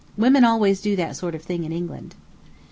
Women always do that sort of thing in England."